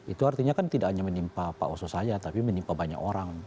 itu artinya kan tidak hanya menimpa pak oso saja tapi menimpa banyak orang